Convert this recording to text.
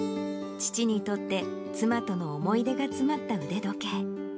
父にとって、妻との思い出が詰まった腕時計。